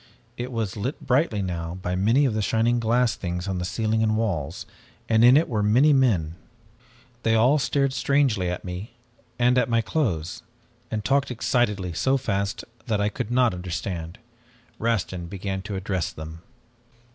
"It was lit brightly now by many of the shining glass things on ceiling and walls, and in it were many men. They all stared strangely at me and at my clothes, and talked excitedly so fast that I could not understand. Rastin began to address them.